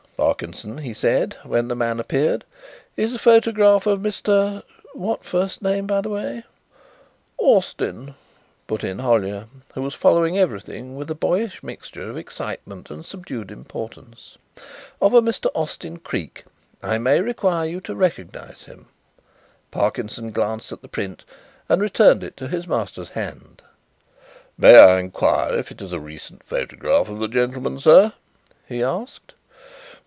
"This, Parkinson," he said, when the man appeared, "is a photograph of a Mr. What first name, by the way?" "Austin," put in Hollyer, who was following everything with a boyish mixture of excitement and subdued importance. " of a Mr. Austin Creake. I may require you to recognize him." Parkinson glanced at the print and returned it to his master's hand. "May I inquire if it is a recent photograph of the gentleman, sir?" he asked.